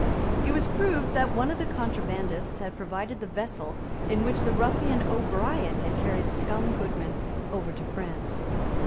It was proved that one of the contrabandists had provided the vessel in which the ruffian O'Brien had carried Scum Goodman over to France.